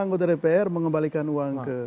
anggota dpr mengembalikan uang ke